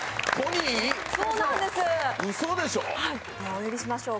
お呼びしましょう。